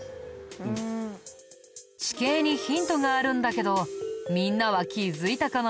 地形にヒントがあるんだけどみんなは気づいたかな？